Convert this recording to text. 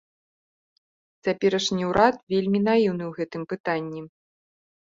Цяперашні ўрад вельмі наіўны ў гэтым пытанні.